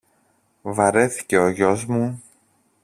Βαρέθηκε ο γιος μου